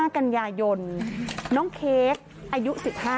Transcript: กันยายนน้องเค้กอายุ๑๕